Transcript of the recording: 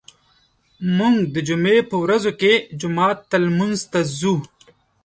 موږ د جمعې په ورځو کې جومات ته لمونځ ته ځو.